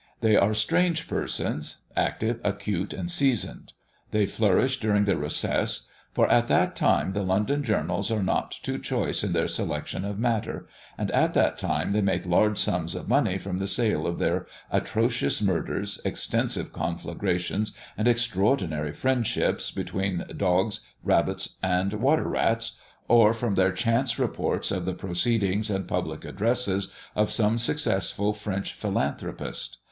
They are strange persons, active, acute, and seasoned. They flourish during the recess; for at that time the London journals are not too choice in their selection of matter; and at that time they make large sums of money from the sale of their "Atrocious Murders," "Extensive Conflagrations," and "Extraordinary Friendships" between "dogs, rabbits, and water rats," or from their chance reports of the proceedings and public addresses of some successful French philanthropist.